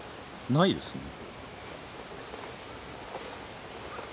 ないですね。